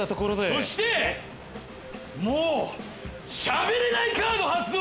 そしてもうしゃべれないカード発動！